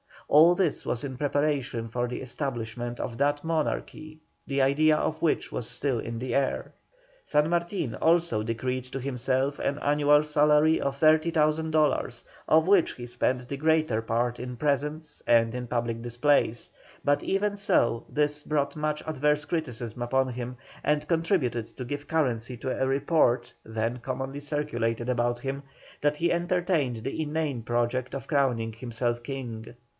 All this was in preparation for the establishment of that monarchy, the idea of which was still in the air. San Martin also decreed to himself an annual salary of 30,000 dols., of which he spent the greater part in presents and in public displays; but even so, this brought much adverse criticism upon him, and contributed to give currency to a report then commonly circulated about him, that he entertained the inane project of crowning himself King.